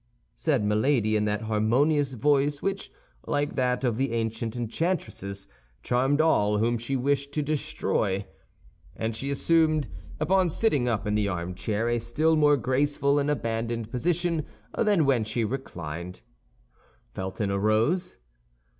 said Milady, in that harmonious voice which, like that of the ancient enchantresses, charmed all whom she wished to destroy. And she assumed, upon sitting up in the armchair, a still more graceful and abandoned position than when she reclined. Felton arose.